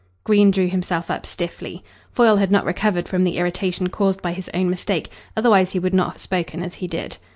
Green drew himself up stiffly. Foyle had not recovered from the irritation caused by his own mistake, otherwise he would not have spoken as he did.